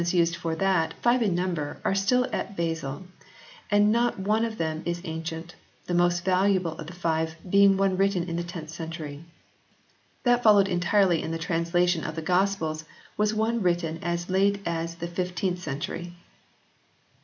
Erasmus used for that, five in number, are still at Basle, and not one of them is ancient, the most valuable of the five being one written in the 10th century ; that followed entirely in the translation of the Gospels was one written as late as the 15th century.